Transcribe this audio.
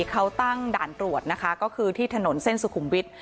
เขาตั้งด่านตรวจนะคะก็คือที่ถนนเส้นสุขุมวิทย์